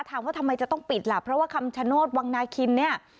ถามว่าทำไมจะต้องปิดล่ะเพราะว่าคำชโนธวังนาคินเนี่ย